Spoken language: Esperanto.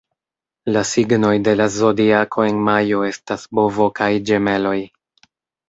La signoj de la Zodiako en majo estas Bovo kaj Ĝemeloj.